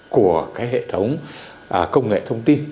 của các cơ quan ngân hàng